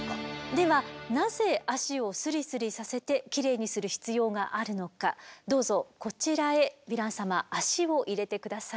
ではなぜ足をスリスリさせてキレイにする必要があるのかどうぞこちらへヴィラン様足を入れて下さい。